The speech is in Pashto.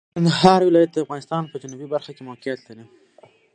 کندهار ولایت د افغانستان په جنوبي برخه کې موقعیت لري.